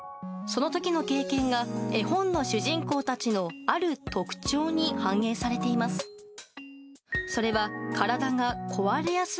その時の経験が絵本の主人公たちのある特徴に反映されています。